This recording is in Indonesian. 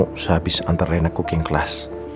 ketemu sehabis antar rena cooking kelas